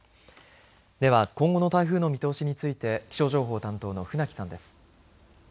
では今後の台風の見通しについて気象情報担当の船木さんです。